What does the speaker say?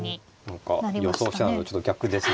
何か予想してたのとちょっと逆ですね。